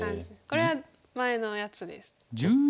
これは前のやつです。